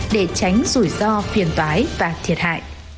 để tránh rủi ro phiền toái và thiệt hại